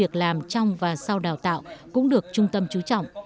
việc làm trong và sau đào tạo cũng được trung tâm chú trọng